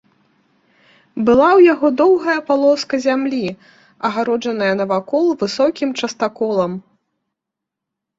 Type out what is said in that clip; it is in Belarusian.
Была ў яго доўгая палоска зямлі, агароджаная навакол высокім частаколам.